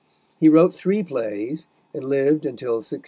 He wrote three plays, and lived until 1696.